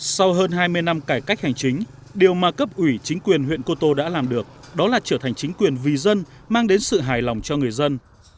sau hơn hai mươi năm cải cách hành chính điều mà cấp ủy chính quyền huyện cô tô đã làm được đó là trở thành chính quyền vì dân mang đến sự hài lòng cho người dân